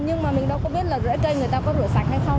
nhưng mà mình đâu có biết là rửa cây người ta có rửa sạch hay không